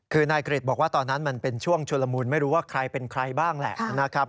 คือนายกริจบอกว่าตอนนั้นมันเป็นช่วงชุลมุนไม่รู้ว่าใครเป็นใครบ้างแหละนะครับ